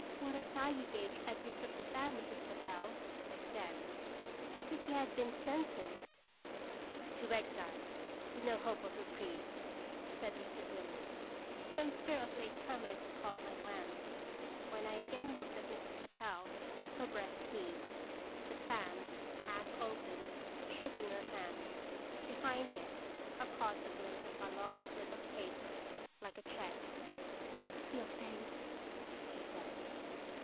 "What a sigh you gave as you took the fan, Mrs. Capel," I said, "as \iyou had been sentenced." " To exile with no hope of reprieve," said Mr. Dillon. Some stir of late comers caught my glance ; when I again looked at Mrs. Capel her breast heaved, the fan, half open, shook in her hand; behind it I caught a glimpse of a long slip of paper, like a check. Senmb QTarfc toins." 255 " I feel faint," she said.